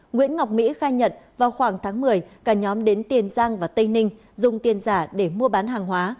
nguyễn ngọc mỹ khai nhận vào khoảng tháng một mươi cả nhóm đến tiền giang và tây ninh dùng tiền giả để mua bán hàng hóa